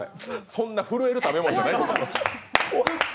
そんな震える食べ物じゃないです。